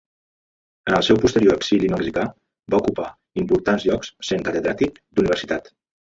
En el seu posterior exili mexicà va ocupar importants llocs, sent Catedràtic d'universitat.